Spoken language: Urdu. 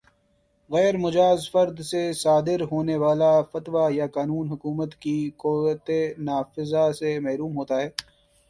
غیر مجاز فرد سے صادر ہونے والا فتویٰ یا قانون حکومت کی قوتِ نافذہ سے محروم ہوتا ہے